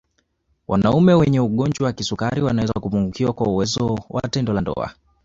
Wanaume wenye ugonjwa wa kisukari wanaweza kupungukiwa kwa uwezo wa tendo la ndoa